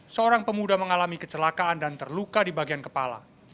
seorang pemuda mengalami kecelakaan dan terluka di bagian kepala